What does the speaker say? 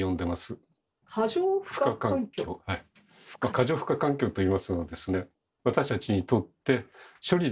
過剰負荷環境といいますのはですね